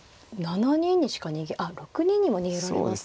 あっ６二にも逃げられますね。